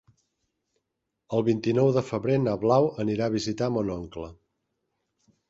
El vint-i-nou de febrer na Blau anirà a visitar mon oncle.